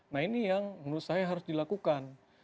nah ini yang menurut saya harus dilakukan